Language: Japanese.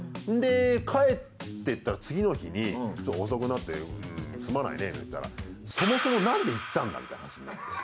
帰ってったら次の日に遅くなってすまないねって言ったらそもそもなんで行ったんだみたいな話になって。